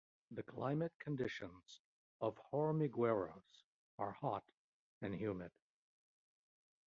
The climate conditions of Hormigueros are hot and humid.